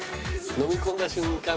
飲み込んだ瞬間